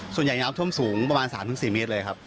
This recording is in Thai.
ส่วนใหญ่ท่วมสูงประมาณ๓๔เมตร